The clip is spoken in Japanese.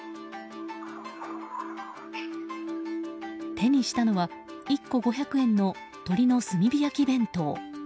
手にしたのは１個５００円の鶏の炭火焼き弁当。